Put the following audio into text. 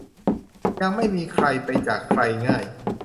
ยังไม่มีใครไปจากใครง่าย